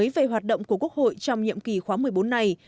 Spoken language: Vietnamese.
về hoạt động của quốc hội trong nhiệm kỳ khóa một mươi bốn này